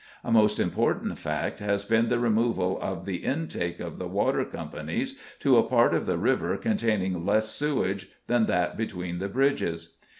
A most important fact has been the removal of the in take of the water companies to a part of the river containing less sewage than that between the bridges.